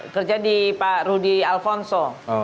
kerja di pak rudy alfonso